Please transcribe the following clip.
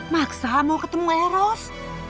maksa mau ketemu eros